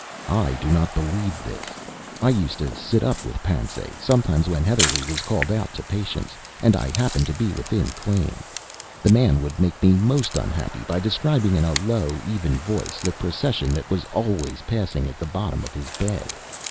I do not believe this. I used to sit up with Pansay sometimes when Heatherlegh was called out to patients, and I happened to be within claim. The man would make me most unhappy by describing in a low, even voice, the procession that was always passing at the bottom of his bed.